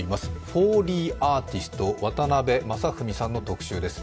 フォーリーアーティスト、渡邊雅文さんの特集です。